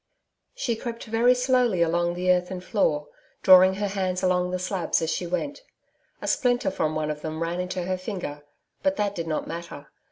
She crept very slowly along the earthen floor, drawing her hands along the slabs as she went. A splinter from one of them ran into her finger but that did not matter.